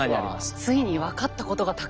ついに分かったことがたくさん。